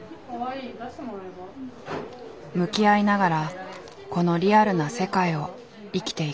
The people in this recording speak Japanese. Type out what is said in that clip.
向き合いながらこのリアルな世界を生きていく。